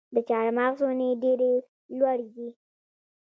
د چهارمغز ونې ډیرې لوړې وي.